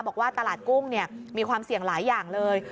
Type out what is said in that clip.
บอกว่าตลาดกุ้งมีความเสี่ยงหลายอย่างเลย